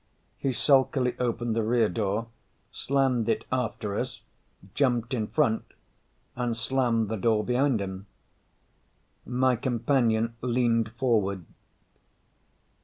He sulkily opened the rear door, slammed it after us, jumped in front and slammed the door behind him. My companion leaned forward.